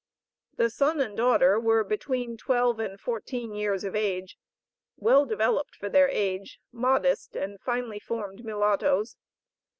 The son and daughter were between twelve and fourteen years of age; well developed for their age, modest, and finely formed mulattoes.